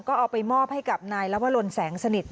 ก็เอาไปมอบให้กับนายลวรนแสงสนิท